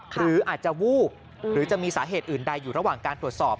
หรืออาจจะวูบหรือจะมีสาเหตุอื่นใดอยู่ระหว่างการตรวจสอบ